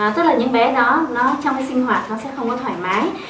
tức là những bé đó trong sinh hoạt sẽ không thoải mái